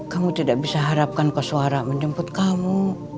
kamu tidak bisa harapkan kau suara menjemput kamu